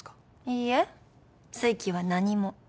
いいえ水鬼は何も。